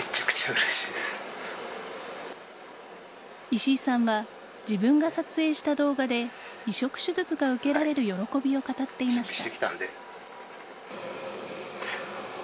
石井さんは自分が撮影した動画で移植手術が受けられる喜びを語っていました。